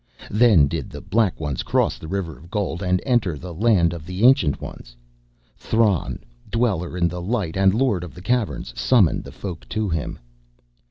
"Then did the Black Ones cross the River of Gold and enter the land of the Ancient Ones. Thran, Dweller in the Light and Lord of the Caverns, summoned the Folk to him.